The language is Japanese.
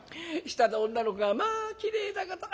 下の女の子が『まあきれいだこと』。